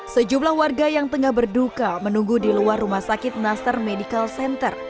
sejumlah warga yang tengah berduka menunggu di luar rumah sakit nastar medical center